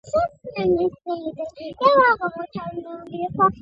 خبیثه کړۍ تر هغه څه ډېره ځواکمنه ده چې تصور یې کېده.